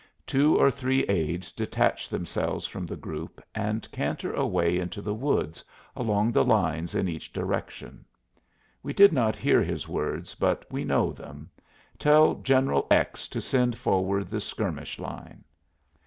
Two or three aides detach themselves from the group and canter away into the woods, along the lines in each direction. We did not hear his words, but we know them: "Tell General X. to send forward the skirmish line."